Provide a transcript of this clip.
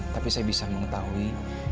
tapi saya bisa mengetahui